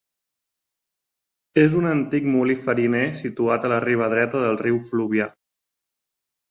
És un antic molí fariner situat a la riba dreta del riu Fluvià.